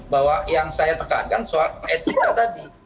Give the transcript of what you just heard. bahwa yang saya tekankan soal etika tadi